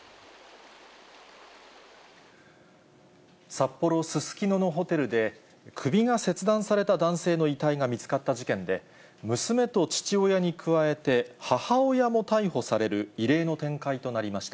札幌・すすきののホテルで、首が切断された男性の遺体が見つかった事件で、娘と父親に加えて、母親も逮捕される異例の展開となりました。